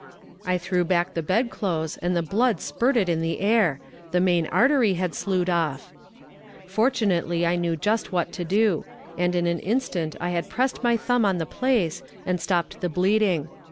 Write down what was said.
I threw back the bedclothes, and the blood spirted in the air. The main artery had sloughed off. "Fortunately, I knew just what to do; and in an instant I had pressed my thumb on the place, and stopped the bleeding.